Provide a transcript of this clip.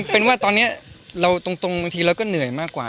เป็นว่าตอนนี้เราตรงบางทีเราก็เหนื่อยมากกว่า